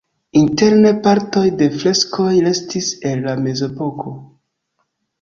Interne partoj de freskoj restis el la mezepoko.